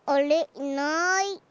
いない。